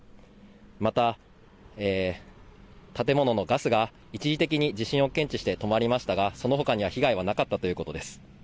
また、建物のガスが一時的に地震を検知して止まりましたがそのほかには被害はなかったということです。